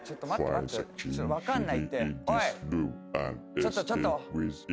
ちょっとちょっと。ＯＫ。